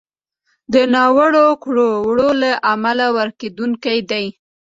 د ناوړو کړو وړو له امله ورکېدونکی دی.